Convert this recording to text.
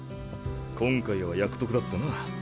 今回は役得だったな。